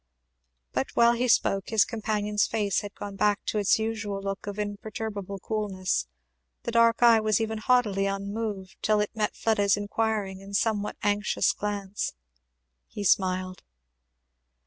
But while he spoke his companion's face had gone back to its usual look of imperturbable coolness; the dark eye was even haughtily unmoved, till it met Fleda's inquiring and somewhat anxious glance. He smiled.